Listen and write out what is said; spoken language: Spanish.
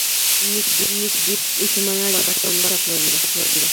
Neck Deep y su mánager fueron de vacaciones a Florida.